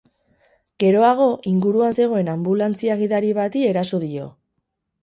Geroago, inguruan zegoen anbulantzia-gidari bati eraso dio.